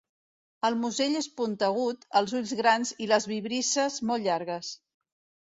El musell és puntegut, els ulls grans i les vibrisses molt llargues.